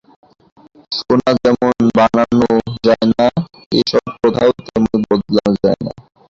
সোনা যেমন বানানো যায় না এ-সব কথাও তেমনি বানানো যায় না।